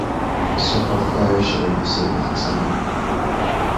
Sarcophagi are shown, of Saint Maximin, Ste.